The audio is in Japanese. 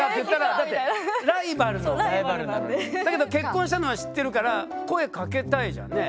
だけど結婚したのは知ってるから声掛けたいじゃんね。